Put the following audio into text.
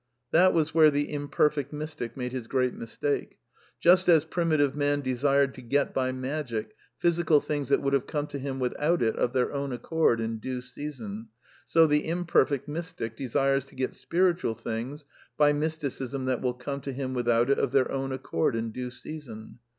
That was where the imperfect mystic made his ^ great mistake. Just as primitive man desired to get by magic physical things that would have come to him with V^Otrt it of their own accord, in due season, so the imperfect \ mystic desires to get spiritual things by mysticism that will I come to him without it of their own accord in due season.